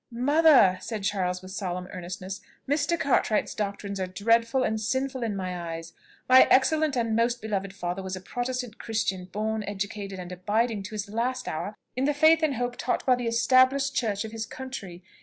"Mother!" said Charles with solemn earnestness, "Mr. Cartwright's doctrines are dreadful and sinful in my eyes. My excellent and most beloved father was a Protestant Christian, born, educated, and abiding to his last hour in the faith and hope taught by the established church of his country.